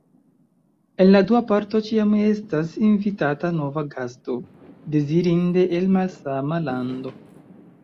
En la dua parto ĉiam estas invitata nova gasto, dezirinde el malsama lando.